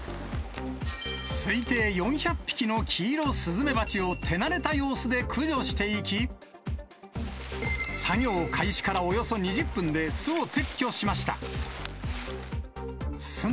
推定４００匹のキイロスズメバチを手慣れた様子で駆除していき、作業開始からおよそ２０分で巣を撤去しました。